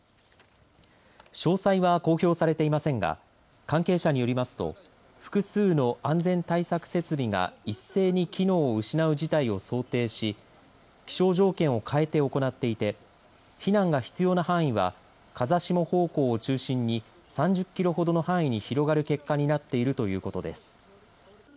詳細は公表されていませんが関係者によりますと複数の安全対策設備が一斉に機能を失う事態を想定し気象条件を変えて行っていて避難が必要な範囲は風下方向を中心に３０キロほどの範囲に広がる結果になっているということです。